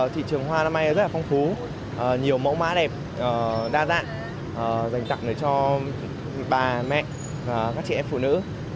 thị trường hoa năm nay rất là phong phú nhiều mẫu mã đẹp đa dạng dành tặng cho bà mẹ và các chị em phụ nữ